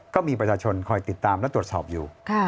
ก็มีประชาชนคอยติดตามและตรวจสอบอยู่